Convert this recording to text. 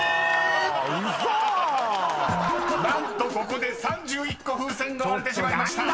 もーう嘘⁉［何とここで３１個風船が割れてしまいました］